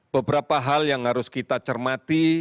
beberapa hal yang harus kita cermati